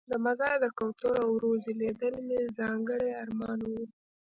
د مزار د کوترو او روضې لیدل مې ځانګړی ارمان و.